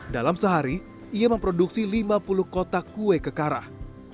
dalam sehari ia memproduksi lima puluh kotak kue kekarah